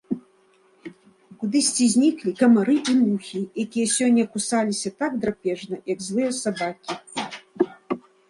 Кудысьці зніклі камары і мухі, якія сёння кусаліся так драпежна, як злыя сабакі.